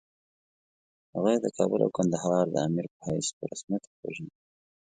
هغه یې د کابل او کندهار د امیر په حیث په رسمیت وپېژاند.